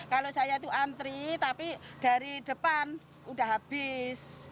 kalau saya itu antri tapi dari depan udah habis